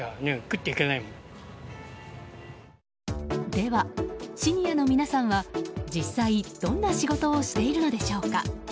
では、シニアの皆さんは実際、どんな仕事をしているのでしょうか？